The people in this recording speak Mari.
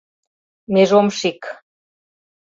— Межомшик...